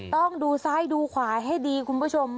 ต้องดูซ้ายดูขวาให้ดีคุณผู้ชม